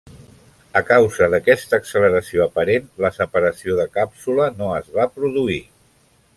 A causa d'aquesta acceleració aparent, la separació de càpsula no es va produir.